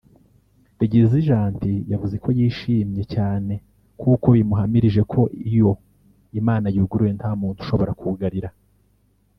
Bigizi Gentil yavuze ko yishimye cyane kuko bimuhamirije ko iyo Imana yuguruye nta muntu ushobora kugarira